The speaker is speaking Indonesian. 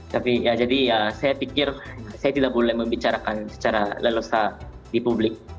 tapi ya jadi ya saya pikir saya tidak boleh membicarakan secara lelesa di publik